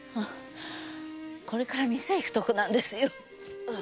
これから店へ行くところなんですよ。